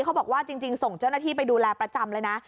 เขาบอกว่าจริงส่งเจ้าหน้าที่ไปดูแลประจำเลยนะ